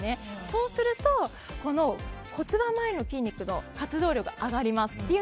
そうすると骨盤周りの筋肉の活動量が上がります。